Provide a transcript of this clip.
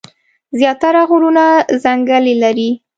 زيات تره غرونه ځنګلې لري ـ